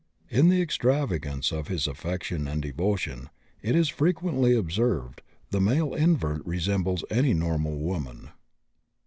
In the extravagance of his affection and devotion, it has been frequently observed, the male invert resembles many normal women.